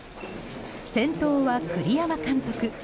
先頭は、栗山監督。